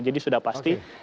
jadi sudah pasti